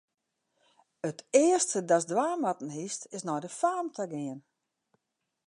It earste datst dwaan moatten hiest, is nei de faam ta gean.